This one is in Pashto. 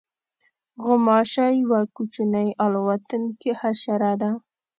غوماشه یوه کوچنۍ الوتونکې حشره ده.